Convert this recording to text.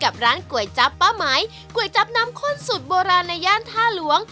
กับร้านก๋วยจับป้าไหมก๋วยจับน้ำข้นสูตรโบราณในย่านท่าหลวง